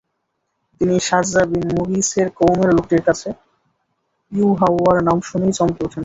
তিনি Sharza bin মুগীছের কওমের লোকটির কাছে ইউহাওয়ার নাম শুনেই চমকে ওঠেন।